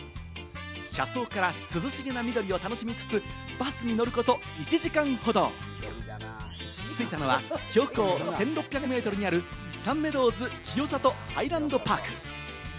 車窓から涼しげな緑を楽しみつつ、バスに乗ること１時間ほど、着いたのは標高１６００ｍにある、サンメドウズ清里ハイランドパーク。